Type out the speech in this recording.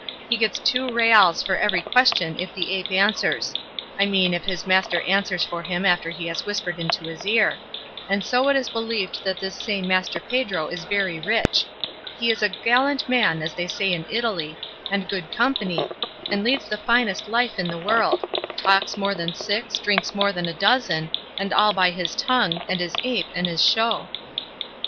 He gets two reals for every question if the ape answers; I mean if his master answers for him after he has whispered into his ear; and so it is believed that this same Master Pedro is very rich. He is a 'gallant man' as they say in Italy, and good company, and leads the finest life in the world; talks more than six, drinks more than a dozen, and all by his tongue, and his ape, and his show."